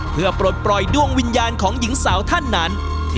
เพื่อปลดปล่อยดวงวิญญาณของหญิงสาวท่านนั้น